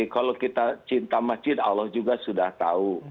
kalau kita cinta masjid allah juga sudah tahu